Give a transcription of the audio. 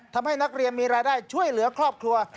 ทำให้นักเรียนมีรายได้ช่วยเหลือครอบครัว